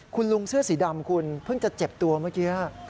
คุณลุงเสื้อสีดำคุณเพิ่งจะเจ็บตัวเมื่อกี้